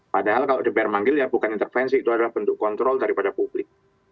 padahal kalau dpr manggil ya bukan intervensi itu adalah bentuk kontrol daripada publik